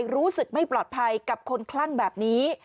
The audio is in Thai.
รู้สึกไม่ปลอดภัยกับคนคลั่งแบบนี้